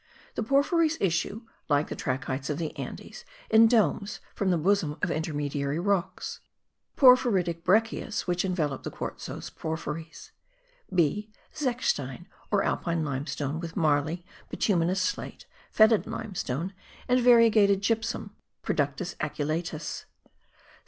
The porphyries issue (like the trachytes of the Andes) in domes from the bosom of intermediary rocks. Porphyritic breccias which envelope the quartzose porphyries. (b) Zechstein or Alpine limestone with marly, bituminous slate, fetid limestone and variegated gypsum (Productus aculeatus).